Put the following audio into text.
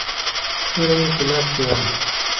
توره يې په لاس کې وه.